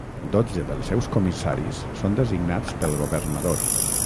Dotze dels seus comissaris són designats pel governador.